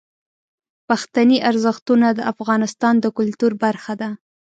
پښتني ارزښتونه د افغانستان د کلتور برخه ده.